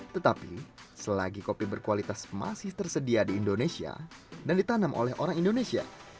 tetapi selagi kopi berkualitas masih tersedia di indonesia dan ditanam oleh orang indonesia